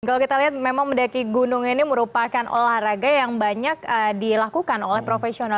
kalau kita lihat memang mendaki gunung ini merupakan olahraga yang banyak dilakukan oleh profesional